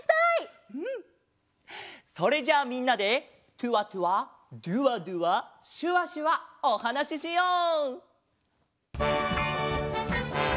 それじゃあみんなでテュワテュワデュワデュワシュワシュワおはなししよう！